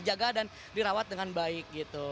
jaga dan dirawat dengan baik gitu